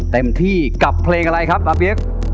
เต็มที่กับเพลงอะไรครับตาเปี๊ยก